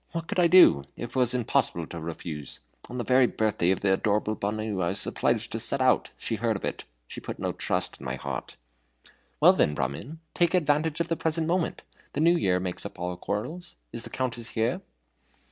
What could I do? It was impossible to refuse. On the very birthday of the adorable Bonau I was obliged to set out.....She heard of it.....She put no trust in my heart!" "Well, then, Brahmin, take advantage of the present moment. The New Year makes up all quarrels. Is the Countess here?"